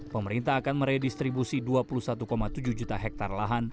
pemerintah akan meredistribusi dua puluh satu tujuh juta hektare lahan